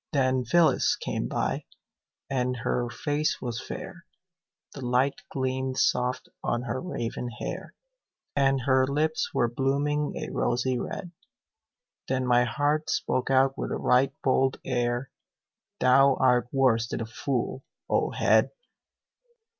Then Phyllis came by, and her face was fair, The light gleamed soft on her raven hair; And her lips were blooming a rosy red. Then my heart spoke out with a right bold air: "Thou art worse than a fool, O head!"